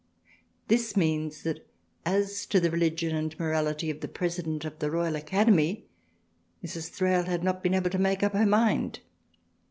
This means that as to the Religion, and Morality of the President of the Royal Academy, Mrs. Thrale had not been able to make up her mind.